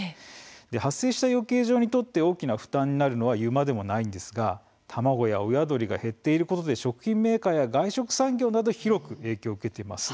発生した養鶏場にとって大きな負担になるのは言うまでもないんですが卵や親鳥が減っていることで食品メーカーや外食産業など広く影響を受けています。